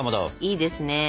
いいですね。